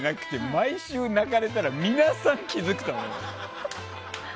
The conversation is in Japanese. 毎週泣かれたら皆さん、気づくと思います。